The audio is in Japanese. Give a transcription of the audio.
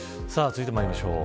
続いてまいりましょう。